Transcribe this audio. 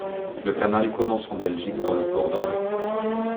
Le canal commence en Belgique, dans le Port d'Anvers.